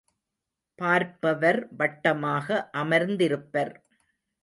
பார்ப்பவர் வட்டமாக அமர்ந்திருப்பர்.